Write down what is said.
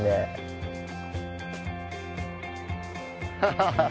ハハハ！